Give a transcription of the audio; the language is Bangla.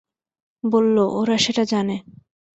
বলল, ওরা সেটা জানে।